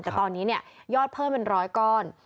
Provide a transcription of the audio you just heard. แต่ตอนนี้ยอดเพิ่มเป็น๑๐๐ก้อน